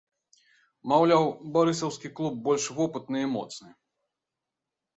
Маўляў, барысаўскі клуб больш вопытны і моцны.